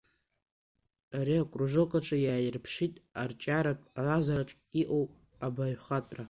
Ари акружок аҿы иааирԥишт арҿиаратә ҟазараҿ имоу абаҩхатәра.